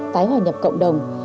tái hòa nhập cộng đồng